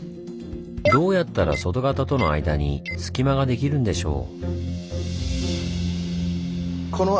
どうやったら外型との間に隙間ができるんでしょう？